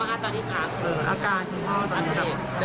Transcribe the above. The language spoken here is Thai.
อาการคุณพ่อตอนนี้ครับ